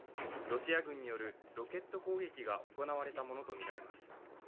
ロシア軍によるロケット攻撃が行われたものとみられます。